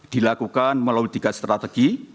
dilakukan melalui tiga strategi